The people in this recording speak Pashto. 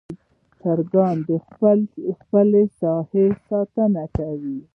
چرګان د خپل ساحې ساتنه کوي.